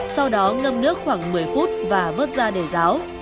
sau đó ngâm nước khoảng một mươi phút và vớt ra để giáo